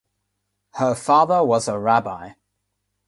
Her father was a rabbi.